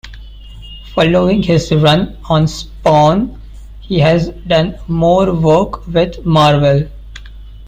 Following his run on "Spawn" he has done more work with Marvel.